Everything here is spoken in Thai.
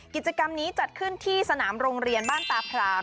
กิจกรรมนี้จัดขึ้นที่สนามโรงเรียนบ้านตาพราม